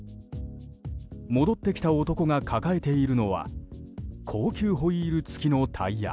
戻ってきた男が抱えているのは高級ホイール付きのタイヤ。